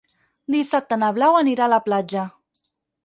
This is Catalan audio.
Dissabte na Blau anirà a la platja.